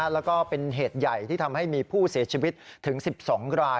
แล้วก็เป็นเหตุใหญ่ที่ทำให้มีผู้เสียชีวิตถึง๑๒ราย